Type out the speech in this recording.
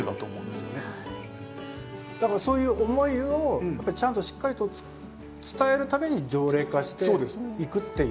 だからそういう思いをやっぱりちゃんとしっかりと伝えるために条例化していくっていう。